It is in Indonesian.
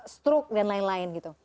stroke dan lain lain gitu